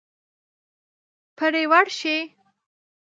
پرې ورشئ.